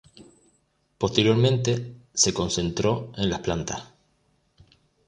Posteriormente se concentró en las plantas.